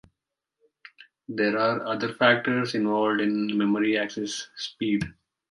There are other factors involved in memory access speed.